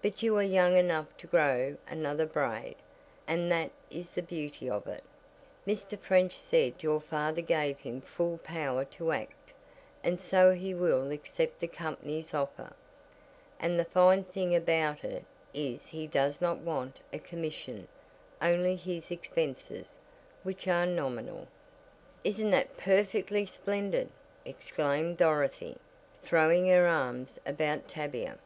But you are young enough to grow another braid, and that is the beauty of it. Mr. French said your father gave him full power to act, and so he will accept the company's offer. And the fine thing about it is he does not want a commission only his expenses, which are nominal." "Isn't that perfectly splendid!" exclaimed Dorothy, throwing her arms about Tavia.